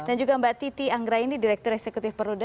dan juga mbak titi anggraini direktur eksekutif perluda